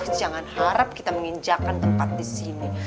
jangan harap kita menginjakan tempat di sini